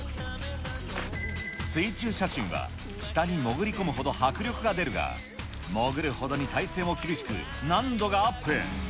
水中写真は、下に潜り込むほど迫力が出るが、潜るほどに体勢も厳しく、難度がアップ。